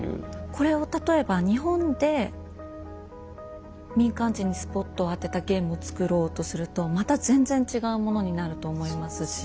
これを例えば日本で民間人にスポットを当てたゲームをつくろうとすると全然違うものになると思いますし。